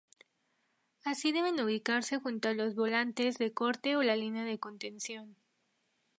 Así deben ubicarse junto a los volante de corte o la línea de contención.